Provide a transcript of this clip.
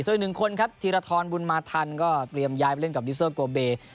ส่วนอีกหนึ่งคนครับธีรทรบุญมาทันก็เตรียมย้ายไปเล่นกับวิเซอร์โกเบ